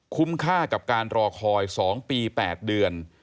ค่ากับการรอคอย๒ปี๘เดือน